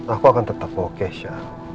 aku akan tetap bawa kesya